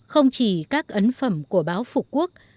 không chỉ các ấn phẩm của báo phục quốc